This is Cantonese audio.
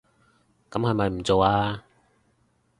噉係咪唔做吖